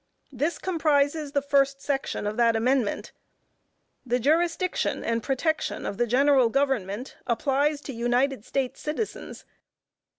This comprises the first section of that amendment. The jurisdiction and protection of the general government applies to United States citizens.